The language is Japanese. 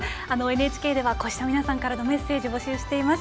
ＮＨＫではこうした皆さんからのメッセージを募集しています。